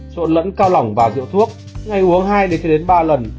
trộn lẫn cao lỏng và rượu thuốc ngày uống hai ba lần